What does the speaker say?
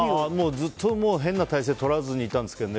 ずっと変な体勢とらずにいたんですけどね。